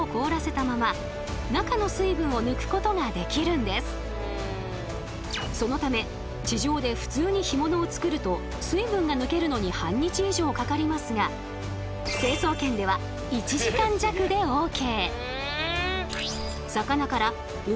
つまりそのため地上で普通に干物を作ると水分が抜けるのに半日以上かかりますが成層圏では１時間弱でＯＫ。